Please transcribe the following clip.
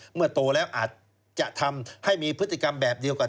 โตแล้วอาจจะทำให้มีพฤติกรรมแบบเดียวกัน